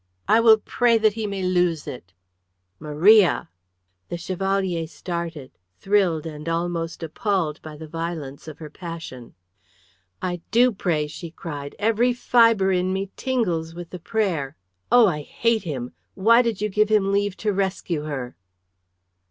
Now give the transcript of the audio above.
"I will pray that he may lose it." "Maria!" The Chevalier started, thrilled and almost appalled by the violence of her passion. "I do pray," she cried. "Every fibre in me tingles with the prayer. Oh, I hate him! Why did you give him leave to rescue her?"